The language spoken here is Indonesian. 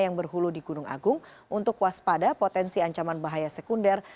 yang berhulu di gunung agung untuk waspada potensi ancaman bahaya sekunder